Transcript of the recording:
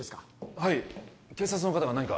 はい警察の方が何か？